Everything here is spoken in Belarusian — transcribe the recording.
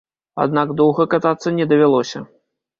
Аднак доўга катацца не давялося.